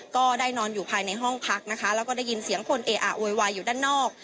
ก็ได้นอนอยู่ภายในห้องพักนะคะแล้วก็ได้ยินเสียงคนเออะโวยวายอยู่ด้านนอก